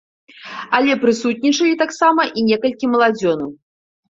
Але прысутнічалі таксама і некалькі маладзёнаў.